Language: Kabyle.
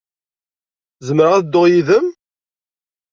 Zemreɣ ad dduɣ yid-m?